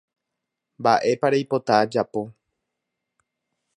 Mba'épa reipota ajapo